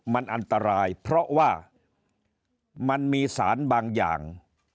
มันอันตรายเพราะว่ามันมีสารบางอย่าง